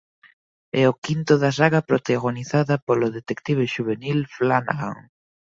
É o quinto da saga protagonizada polo detective xuvenil Flanagan.